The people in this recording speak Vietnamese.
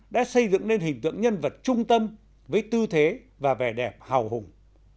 đã xây dựng nên hình tượng nhân vật trung tâm với tư thế và vẻ đẹp hào hùng